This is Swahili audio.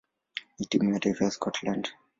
na timu ya taifa ya Scotland.